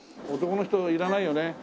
男の人いらないよね？